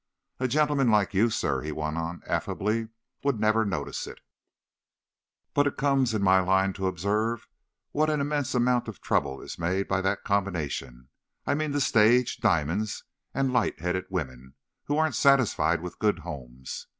"A gentleman like you, Sir," he went on affably, "would never notice it, but it comes in my line to observe what an immense amount of trouble is made by that combination—I mean the stage, diamonds and light headed women who aren't satisfied with good homes.